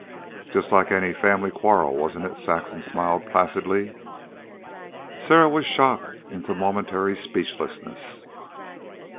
"Just like any family quarrel, wasn't it?" Saxon smiled placidly. Sarah was shocked into momentary speechlessness.